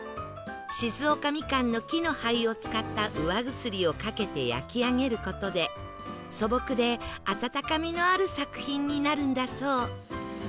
静岡みかんの木の灰を使ったうわぐすりをかけて焼き上げる事で素朴で温かみのある作品になるんだそう